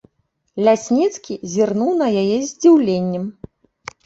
Лясніцкі зірнуў на яе з здзіўленнем.